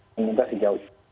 menunda sejauh itu